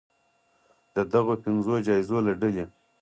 د دغو پنځو جایزو له ډلې